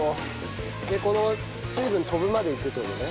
この水分飛ぶまでいくって事ね？